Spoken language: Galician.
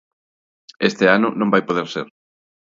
Este ano non vai poder ser.